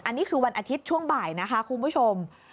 อันนี้คือวันอาทิตย์ช่วงบ่ายนะคะคุณผู้ชม